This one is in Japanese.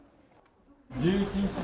１１日だ。